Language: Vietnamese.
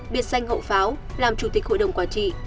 biệt danh hậu pháo làm chủ tịch hội đồng quản trị